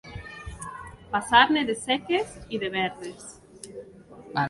Passar-ne de seques i de verdes.